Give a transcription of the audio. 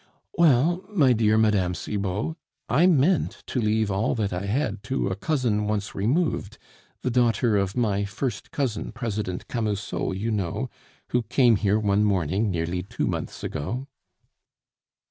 "Well, my dear Mme. Cibot, I meant to leave all that I had to a cousin once removed, the daughter of my first cousin, President Camusot, you know, who came here one morning nearly two months ago."